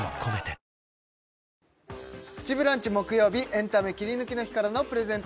エンタメキリヌキの日からのプレゼント